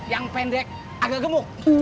yang pendek agak gemuk